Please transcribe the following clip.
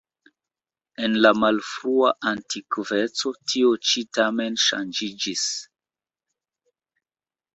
En la malfrua antikveco tio ĉi tamen ŝanĝiĝis.